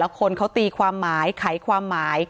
การแก้เคล็ดบางอย่างแค่นั้นเอง